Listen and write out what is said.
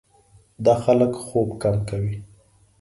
دا خلک خوب کم کوي.